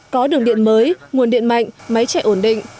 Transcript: có đường điện mới nguồn điện mạnh máy chạy ổn định